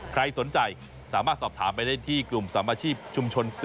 ใครสนใจสามารถสอบถามไปได้ที่กลุ่มสามอาชีพชุมชน๔